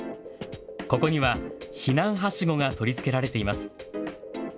ここには避難はしごが取り付けられています。